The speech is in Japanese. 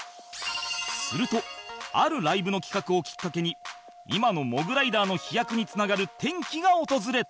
するとあるライブの企画をきっかけに今のモグライダーの飛躍につながる転機が訪れた